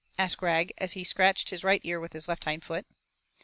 asked Rag, as he scratched his right ear with his left hind foot.